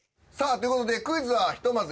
ということでクイズはひとまず